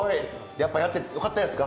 やっぱやっててよかったですか？